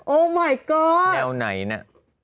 โอ้มายก๊อดแนวไหนนะ